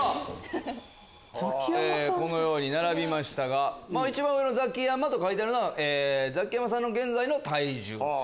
このように並びましたが一番上の「ザキヤマ」と書いてあるのはザキヤマさんの現在の体重。